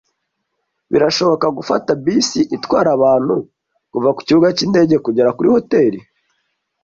Birashoboka gufata bisi itwara abantu kuva kukibuga cyindege kugera kuri hoteri?